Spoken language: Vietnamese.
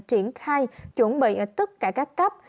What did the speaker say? triển khai chuẩn bị ở tất cả các cấp